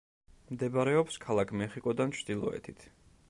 მდებარეობს ქალაქ მეხიკოდან ჩრდილოეთით.